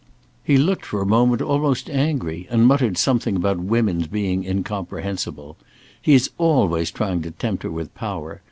He looked for a moment almost angry, and muttered something about women's being incomprehensible. He is always trying to tempt her with power.